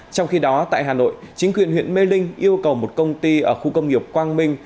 trong khi đó tại hà nội chính quyền huyện mê linh yêu cầu một công ty ở khu công nghiệp quang minh